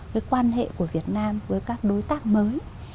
cái quan hệ của việt nam với các đối tác mới